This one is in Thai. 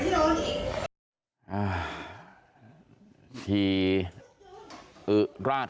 สวัสดีครับคุณผู้ชาย